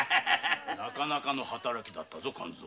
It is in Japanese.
なかなかの働きだったぞ勘造。